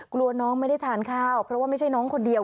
กลัวน้องไม่ได้ทานข้าวเพราะว่าไม่ใช่น้องคนเดียว